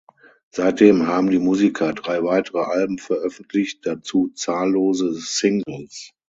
Seitdem haben die Musiker drei weitere Alben veröffentlicht, dazu zahllose Singles.